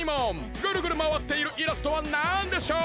ぐるぐるまわっているイラストはなんでしょう？